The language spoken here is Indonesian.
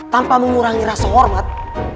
tanpa mengurangi rasa hormat